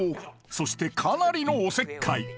そしてかなりのおせっかい